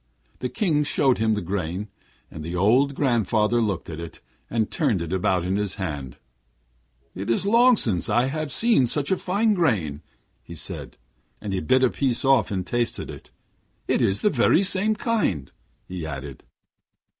The King showed him the grain, and the old grandfather looked at it, and turned it about in his hand. 'It is long since I saw such a fine grain,' said he, and he bit a piece off and tasted it. 'It's the very same kind,' he added.